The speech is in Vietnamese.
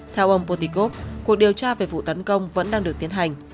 theo ông potikov cuộc điều tra về vụ tấn công vẫn đang được tiến hành